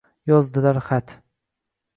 Yozdilar xat: